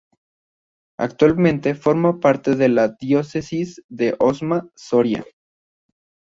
Actualmente forma parte de la Diócesis de Osma-Soria.